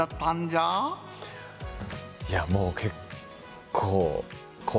いやもう結構。